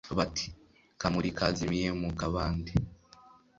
bati «kamuri kazimiye mu kabandi»